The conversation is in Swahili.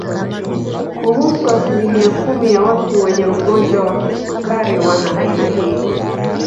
Kuhusu asilimia kumi ya watu wenye ugonjwa wa kisukari wana aina hii